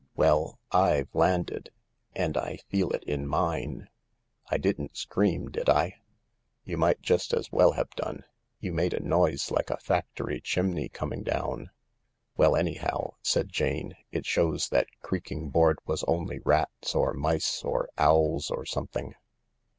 Well— I've landed ! And I feel it in mine I I didn't scream, did I ?"" You might just as well have done. You made a noise like a factory chimney coming down," "Well, anyhow," said Jane, "it shows that creaking board was only rats or mice or owls or something.